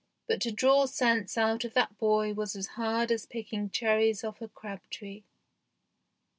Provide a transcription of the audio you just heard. But to draw sense out of that boy was as hard as picking cherries off a crab tree.